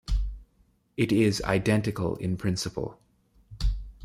It is identical in principle.